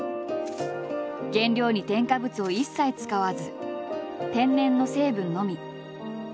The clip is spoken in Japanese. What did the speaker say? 原料に添加物を一切使わず天然の成分のみ。